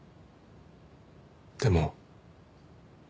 でも。